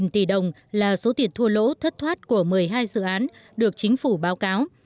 năm mươi năm tỷ đồng là số tiền thua lỗ thất thoát của một mươi hai dự án được chính phủ báo cáo